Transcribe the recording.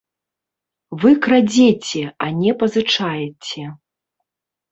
Вы крадзеце, а не пазычаеце.